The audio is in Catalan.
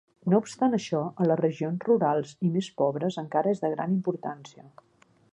No obstant això, a les regions rurals i més pobres encara és de gran importància.